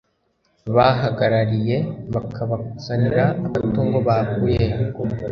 bahagarariye bakabazanira amatungo bakuyeyo